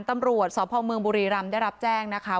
ตำรวจสอบภัยเมืองบุรีรัมย์ได้รับแจ้งนะคะ